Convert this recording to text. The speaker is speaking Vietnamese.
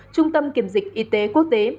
trung tâm kiểm dịch y tế quốc tế